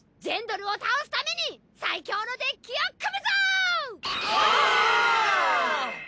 ジェンドルを倒すために最強のデッキを組むぞ！